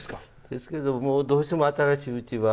ですけどもどうしても新しいうちは。